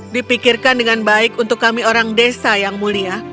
dipikirkan dengan baik untuk kami orang desa yang mulia